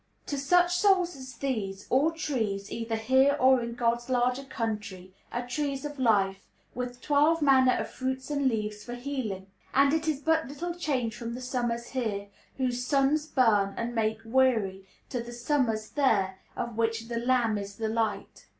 To such souls as these, all trees, either here or in God's larger country, are Trees of Life, with twelve manner of fruits and leaves for healing; and it is but little change from the summers here, whose suns burn and make weary, to the summers there, of which "the Lamb is the light."